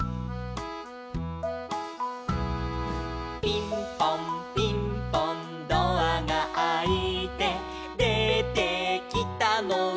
「ピンポンピンポンドアがあいて」「出てきたのは」